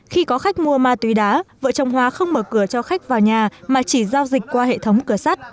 khi có khách mua ma túy đá vợ chồng hóa không mở cửa cho khách vào nhà mà chỉ giao dịch qua hệ thống cửa sắt